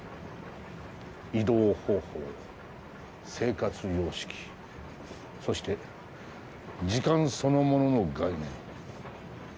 移動方法生活様式そして時間そのものの概念。